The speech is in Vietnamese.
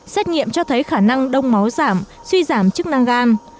xét nghiệm cho thấy khả năng đông máu giảm suy giảm chức năng gan